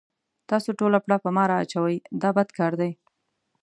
تاسې ټوله پړه په ما را اچوئ دا بد کار دی.